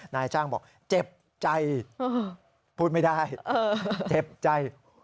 นายจ้างบอกเจ็บใจพูดไม่ได้เจ็บใจ